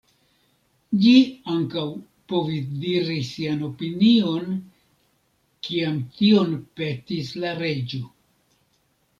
Ĝi ankaŭ povis diri sian opinion kiam tion petis la reĝo.